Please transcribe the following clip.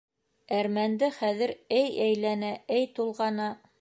Әрмәнде хәҙер эй әйләнә, эй тулғана.